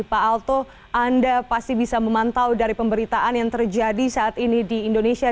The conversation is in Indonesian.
pak alto anda pasti bisa memantau dari pemberitaan yang terjadi saat ini di indonesia